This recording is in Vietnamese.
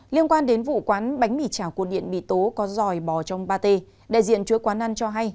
liên quan đến vụ quán bánh mì chảo cuốn điện bị tố có dòi bò trong pate đại diện chuối quán ăn cho hay